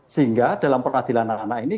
sehingga dalam peradilan anak anak ini